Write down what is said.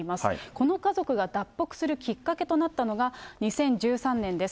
この家族が脱北するきっかけとなったのが、２０１３年です。